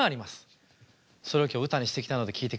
それを今日歌にしてきたので聴いてください。